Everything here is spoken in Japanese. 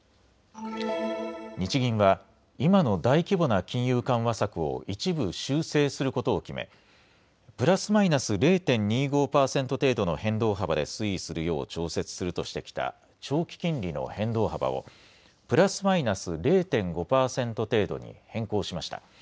日銀は今の大規模な金融緩和策を一部修正することを決めプラスマイナス０．２５％程度の変動幅で推移するよう調節するとしてきた長期金利の変動幅をプラスマイナス０．５％程度に変更しました。